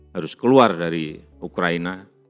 harus keluar dari ukraina